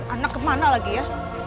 anak kemana lagi ya